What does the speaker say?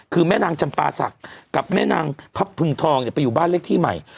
คือแม่นางจำปาศักดิ์กับแม่นางพับพึงทองเนี่ยไปอยู่บ้านเลขที่ใหม่